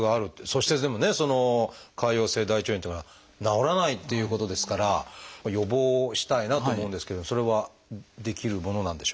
そしてでもね潰瘍性大腸炎っていうのは治らないっていうことですから予防したいなと思うんですけれどもそれはできるものなんでしょうか？